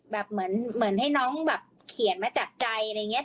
แบบเหมือนให้น้องแบบเขียนมาจากใจอะไรอย่างนี้